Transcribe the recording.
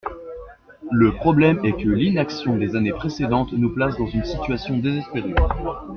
Le problème est que l’inaction des années précédentes nous place dans une situation désespérée.